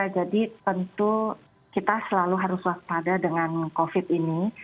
jadi tentu kita selalu harus waspada dengan covid ini